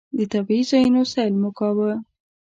د طبعي ځایونو سیل مو کاوه.